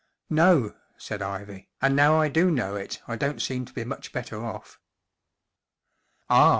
" No/' said Ivy, " and now I do know it I don't seem to be much better off." " Ah